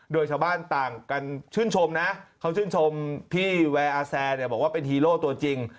โดยชาวบ้านต่างกันชื่นชมนะเขาชื่นชมพี่แวร์อาแซเนี่ยบอกว่าเป็นฮีโร่ตัวจริง